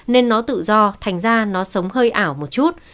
nên nó tự do thành ra nó sống hơi ảo một chút